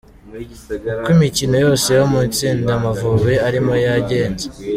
Uko imikino yose yo mu itsinda Amavubi arimo yagenze.